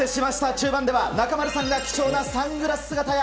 中盤では、中丸さんが貴重なサングラス姿や。